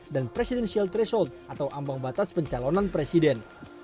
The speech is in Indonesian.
dan presidential threshold atau ambang batas pencalonan presiden